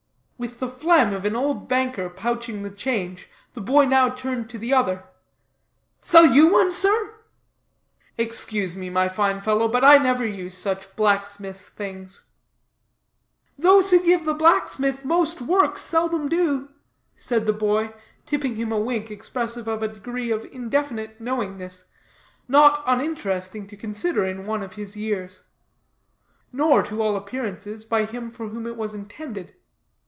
With the phlegm of an old banker pouching the change, the boy now turned to the other: "Sell you one, sir?" "Excuse me, my fine fellow, but I never use such blacksmiths' things." "Those who give the blacksmith most work seldom do," said the boy, tipping him a wink expressive of a degree of indefinite knowingness, not uninteresting to consider in one of his years. But the wink was not marked by the old man, nor, to all appearances, by him for whom it was intended.